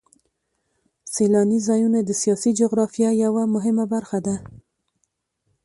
سیلاني ځایونه د سیاسي جغرافیه یوه مهمه برخه ده.